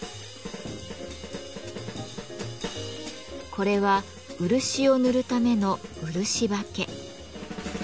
これは漆を塗るための「漆刷毛」。